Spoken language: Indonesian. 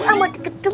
mau di gedung